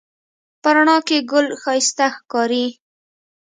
په رڼا کې ګل ښایسته ښکاري